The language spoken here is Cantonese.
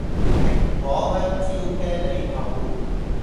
蘋果香蕉啤梨桃